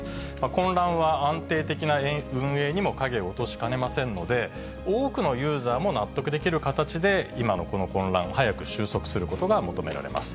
混乱は安定的な運営にも影を落としかねませんので、多くのユーザーも納得できる形で今のこの混乱、早く収束することが求められます。